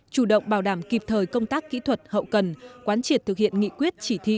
chủ động bảo đảm kịp thời công tác kỹ thuật hậu cần quán triệt thực hiện nghị quyết chỉ thị